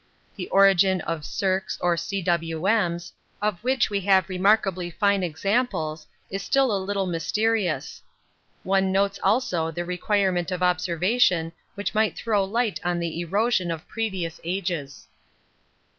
The origin of 'cirques' or 'cwms,' of which we have remarkably fine examples, is still a little mysterious one notes also the requirement of observation which might throw light on the erosion of previous ages.